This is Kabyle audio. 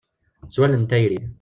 S wallen n tayri.